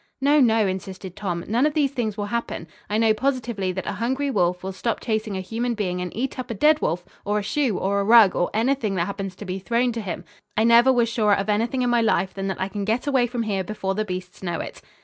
"No, no," insisted Tom. "None of these things will happen. I know positively that a hungry wolf will stop chasing a human being and eat up a dead wolf, or a shoe, or a rug, or anything that happens to be thrown to him. I never was surer of anything in my life than that I can get away from here before the beasts know it."